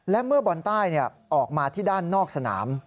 และเมื่อบอลใต้ออกมาที่ด้านนอกสนาม